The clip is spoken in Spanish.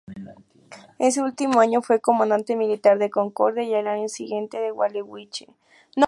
Ese último año fue comandante militar de Concordia, y al año siguiente de Gualeguaychú.